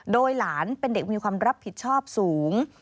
โดยหลานเป็นเด็กมีความรับผิดชอบสูง